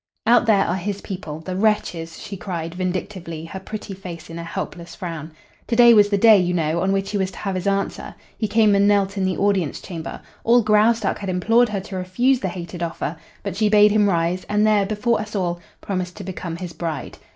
"Out there are his people, the wretches!" she cried, vindictively, her pretty face in a helpless frown. "To day was the day, you know, on which he was to have his answer. He came and knelt in the audience chamber. All Graustark had implored her to refuse the hated offer, but she bade him rise, and there, before us all; promised to become his bride.